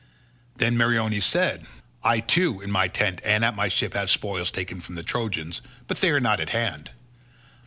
Then Meriones said, "I too in my tent and at my ship have spoils taken from the Trojans, but they are not at hand.